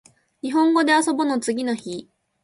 にほんごであそぼの次の日